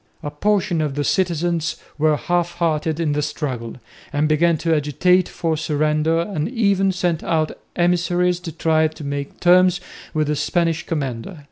A portion of the citizens were half hearted in the struggle, and began to agitate for surrender and even sent out emissaries to try to make terms with the Spanish commander.